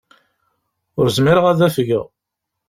Ur zmireɣ ad afgeɣ.